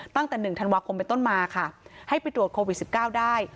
ตั้งแต่หนึ่งธันวาคมไปต้นมาค่ะให้ไปตรวจโควิดสิบเก้าได้